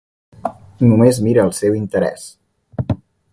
Només mira el seu interès.